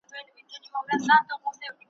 بس هر قدم مي د تڼاکو تصویرونه وینم `